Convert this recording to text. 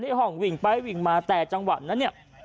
ห้องวิ่งไปวิ่งมาแต่จังหวะนั้นเนี่ย